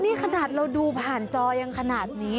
นี่ขนาดเราดูผ่านจอยังขนาดนี้